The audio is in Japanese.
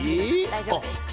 大丈夫です。